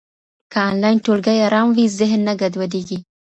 که انلاین ټولګی ارام وي، ذهن نه ګډوډېږي.